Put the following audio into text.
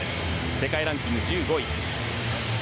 世界ランキング１５位。